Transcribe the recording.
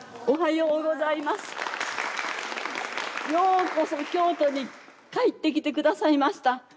ようこそ京都に帰ってきて下さいました。